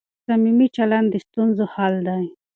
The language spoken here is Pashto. صمیمي چلند د ستونزو حل دی.